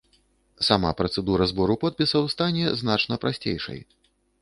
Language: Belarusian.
Сама працэдура збору подпісаў стане значна прасцейшай.